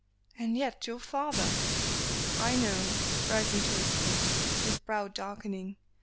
"And yet your father " "I know," rising to his feet, his brow darkening.